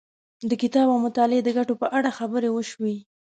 د کتاب او مطالعې د ګټو په اړه خبرې وشوې.